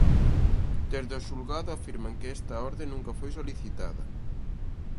Desde o xulgado afirman que esta orde nunca foi solicitada.